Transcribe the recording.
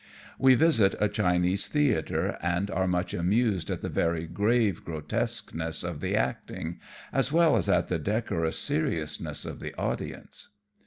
We visit a Chinese theatre, and are much amused at the very grave grotesqueness of the acting, as well as at the decorous seriousness of the audience.